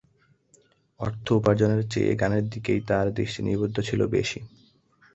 অর্থ উপার্জনের চেয়ে গানের দিকেই তার দৃষ্টি নিবদ্ধ ছিল বেশি।